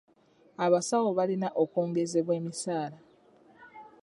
Abasawo balina okwongezebwa emisaala.